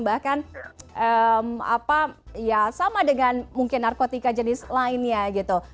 bahkan ya sama dengan mungkin narkotika jenis lainnya gitu